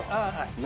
何？